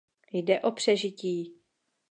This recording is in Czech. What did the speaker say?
Jde o přežití.